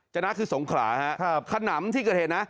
นะคือสงขลาฮะขนำที่เกิดเหตุนะ